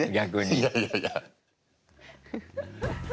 いやいやいや。